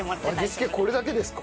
味付けこれだけですか？